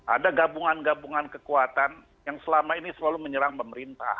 ada gabungan gabungan kekuatan yang selama ini selalu menyerang pemerintah